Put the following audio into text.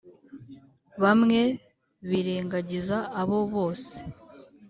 bamwe birengagiza abo bose